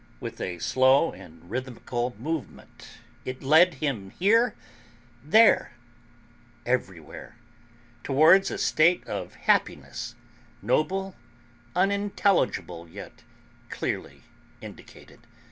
With a slow and rhythmical movement it led him here, there, everywhere, towards a state of happiness noble, unintelligible, yet clearly indicated.